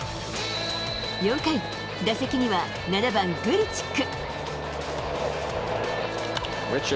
４回、打席には７番グリチック。